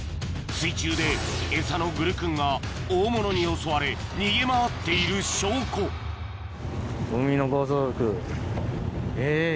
水中でエサのグルクンが大物に襲われ逃げ回っている証拠海の暴走族えっ